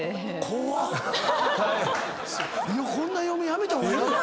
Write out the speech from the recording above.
こんな嫁やめた方が。